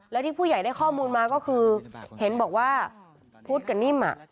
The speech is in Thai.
แล้วที่ผู้ใหญ่ได้ข้อมูลมาก็คือเห็นบอกว่าพุทธกับนิ่ม